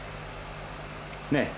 ねえ。